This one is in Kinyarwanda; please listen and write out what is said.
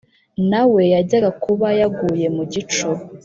nawe yajyaga kuba yaguye mugico"